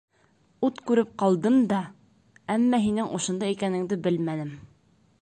Ут күреп ҡалдым да... әммә һинең ошонда икәнеңде белмәнем.